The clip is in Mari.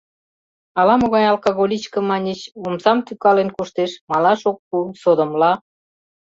Ала-могай алкоголичка, маньыч, омсам тӱкален коштеш, малаш ок пу, содомла...